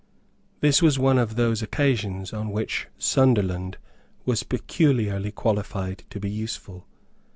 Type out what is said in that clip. This was one of those occasions on which Sunderland was peculiarly qualified to be useful.